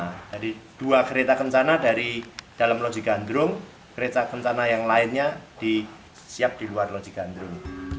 jadi dua kereta kentang dari dalam lojigandrung kereta kentang yang lainnya disiap di luar lojigandrung